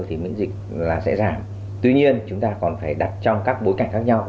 nếu mà những dịch là sẽ giảm tuy nhiên chúng ta còn phải đặt trong các bối cảnh khác nhau